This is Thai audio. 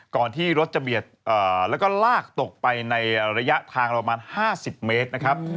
ก่อนที่รถจะเบียดแล้วก็ลากตกไปในระยะทางประมาณ๕๐เมตรนะครับ